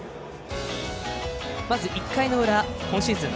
まず１回の裏今シーズン